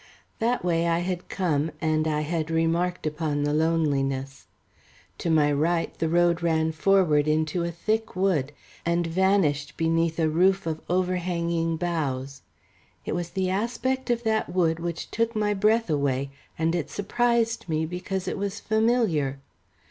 That way I had come, and I had remarked upon the loneliness. To my right, the road ran forward into a thick wood, and vanished beneath a roof of overhanging boughs. It was the aspect of that wood which took my breath away, and it surprised me because it was familiar.